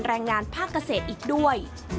แรงงานภาคเกษตรอีกด้วย